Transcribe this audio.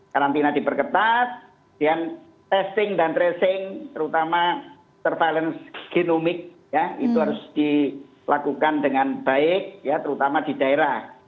karantina diperketat testing dan tracing terutama surveillance genomik itu harus dilakukan dengan baik ya terutama di daerah